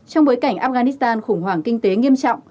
trong bối cảnh afghanistan khủng hoảng kinh tế nghiêm trọng